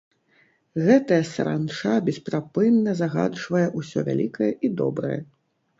Гэтая саранча бесперапынна загаджвае ўсё вялікае і добрае.